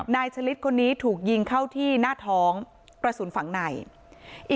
ฉลิดคนนี้ถูกยิงเข้าที่หน้าท้องกระสุนฝั่งใน